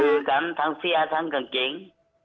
คือทั้งเฟี้ยทั้งกางเกง